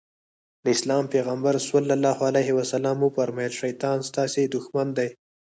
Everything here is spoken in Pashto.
د اسلام پيغمبر ص وفرمايل شيطان ستاسې دښمن دی.